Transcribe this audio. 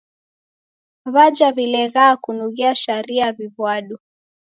W'aja w'ileghaa kunughia sharia w'iw'ado.